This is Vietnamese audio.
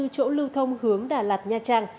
bốn mươi bốn chỗ lưu thông hướng đà lạt nha trang